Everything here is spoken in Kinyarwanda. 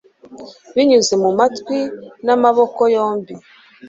Binyuze mu matwi namaboko yombi